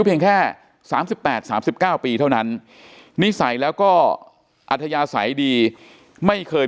เพียงแค่๓๘๓๙ปีเท่านั้นนิสัยแล้วก็อัธยาศัยดีไม่เคย